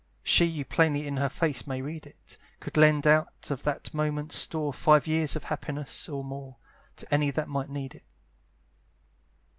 she, You plainly in her face may read it, Could lend out of that moment's store Five years of happiness or more, To any that might need it.